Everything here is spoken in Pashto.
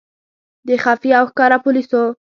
د خفیه او ښکاره پولیسو.